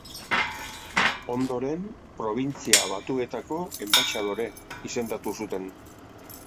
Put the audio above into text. Ondoren, Probintzia Batuetako enbaxadore izendatu zuten.